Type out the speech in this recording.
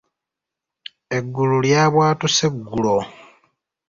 Eggulu lyabwatuse eggulo.